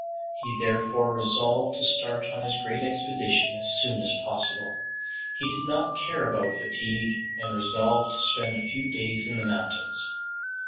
He therefore resolved to start on his great expedition as soon as possible. He did not care about fatigue, and resolved to spend a few days in the mountains.